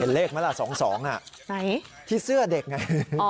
เห็นเลขไหมล่ะสองสองน่ะไหนที่เสื้อเด็กไงอ๋อ